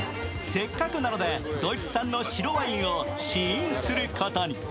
せっかくなので、ドイツ産の白ワインを試飲することに。